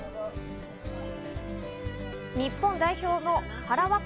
日本代表の原わか